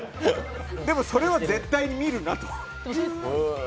でも、それは絶対に見るなと。